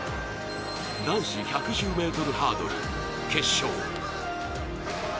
男子１１０ｍハードル決勝。